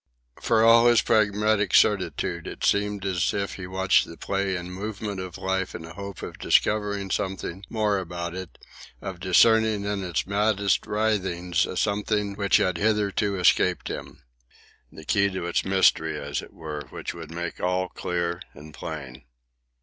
For all his pragmatic certitude, it seemed as if he watched the play and movement of life in the hope of discovering something more about it, of discerning in its maddest writhings a something which had hitherto escaped him,—the key to its mystery, as it were, which would make all clear and plain.